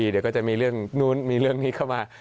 เดี๋ยวก็จะมีเรื่องนู้นมีเรื่องนี้เข้ามา